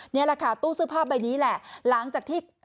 นี่แหละค่ะตู้เสื้อผ้าใบนี้แหละหลังจากที่